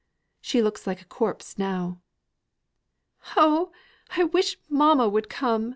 She looks like a corpse now." "Oh, I wish mamma would come!"